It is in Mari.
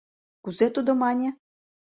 Кузе тудо мане?